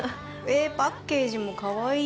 パッケージもかわいい。